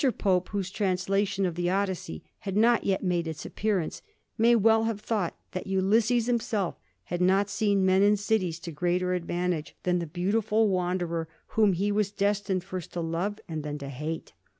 Pope — ^whose translation of the * Odyssey' had not yet made its appearance — ^may well have thought that Ulysses himself had not seen men and cities to greater advantage than the beautiful wan derer whom he was destined first to love and then to hate.